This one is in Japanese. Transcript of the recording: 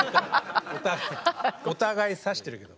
お互いさしてるけど。